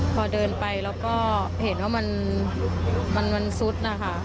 พอเดินไปแล้วก็เห็นว่ามันซุดนะคะ